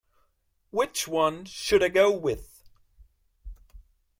Which one should I go with?